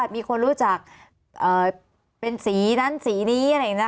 มีคนรู้จักเป็นสีนั้นสีนี้